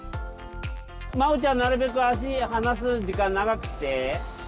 まおちゃんなるべく足離す時間長くして。